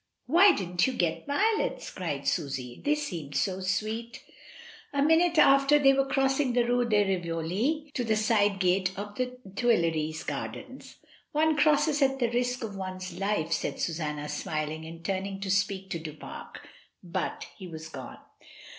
"Why didn't you get violets?" said Susy; "they seemed so sweet" A minute after they were crossing the Rue de Rivoli to the side gate of the Tuileries gardens. "One crosses at the risk of one's life," said Susanna, smiling and turning to speak to Du Pare, — but he was gone.